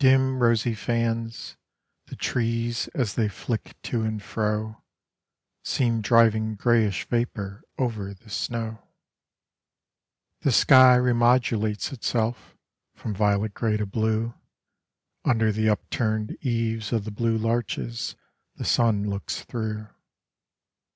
Dim rosy fans, the trees As they flick to and fro, Seem driving greyish vapour Over the snow. The sky remodulates itself From violet grey to blue, Under the upturned eaves of the blue larches The sun looks through.